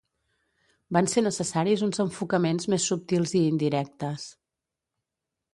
Van ser necessaris uns enfocaments més subtils i indirectes.